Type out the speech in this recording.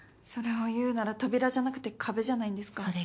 それを言うなら扉じゃなくて壁じゃないんですか？